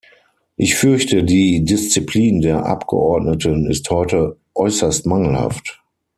Ich fürchte, die Disziplin der Abgeordneten ist heute äußerst mangelhaft.